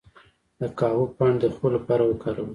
د کاهو پاڼې د خوب لپاره وکاروئ